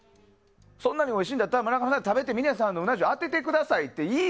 そんなにおいしいんだったら村上さんが食べて峰さんのうな重当ててくださいと。